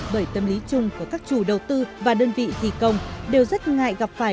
bởi tâm lý chung của các chủ đầu tư và đơn vị thi công đều rất ngại gặp phải